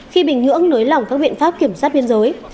khi bình nhũng nối lỏng các biện pháp kiểm soát biên giới